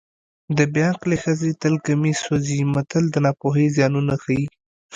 د بې عقلې ښځې تل کمیس سوځي متل د ناپوهۍ زیانونه ښيي